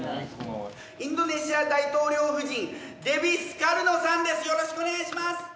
インドネシア大統領夫人デヴィ・スカルノさんです！